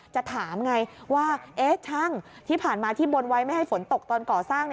จะถามไงว่าช่างที่ผ่านมาที่บนไว้ไม่ให้ฝนตกตอนก่อสร้าง